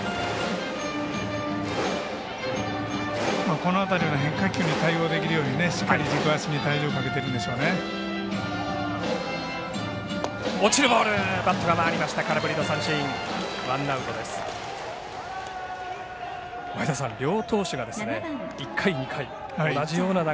この辺りの変化球に対応できるようにしっかり軸足に体重をかけてるんでしょうね。